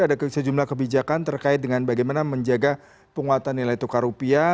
ada sejumlah kebijakan terkait dengan bagaimana menjaga penguatan nilai tukar rupiah